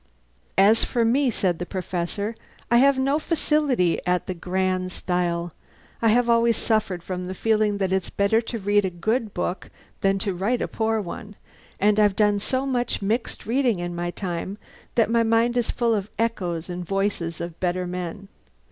"As for me," said the Professor, "I have no facility at the grand style. I have always suffered from the feeling that it's better to read a good book than to write a poor one; and I've done so much mixed reading in my time that my mind is full of echoes and voices of better men.